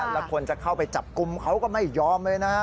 แล้วคนจะเข้าไปจับกลุ่มเขาก็ไม่ยอมเลยนะ